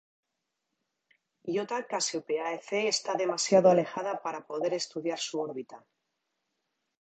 Iota Cassiopeiae C está demasiado alejada para poder estudiar su órbita.